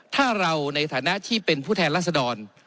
ถ้าเราในฐานะที่เป็นผู้แทนรัศดร